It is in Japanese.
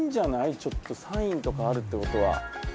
ちょっとサインとかあるってことは。